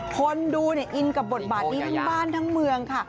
คนดูเนี่ยอินกับบทบาทนี้ทั้งบ้านทั้งเมืองค่ะ